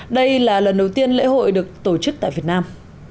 đây là lần đầu tiên lễ hội được tổ chức tại việt nam